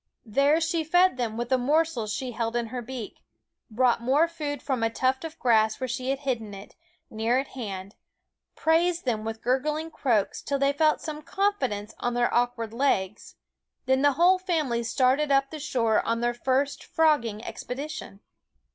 There she fed them with the morsels she held in her beak ; brought more food from a tuft of grass where she had hidden it, near at hand ; praised them with gurgling croaks till they felt some confidence on their awkward legs; then the whole family started up the shore on their first frogging expedition.